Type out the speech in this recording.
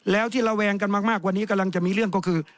แล้วที่ระแวงกันมากกว่านี้กำลังจะมีเรื่องก็คือ